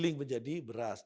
giling menjadi beras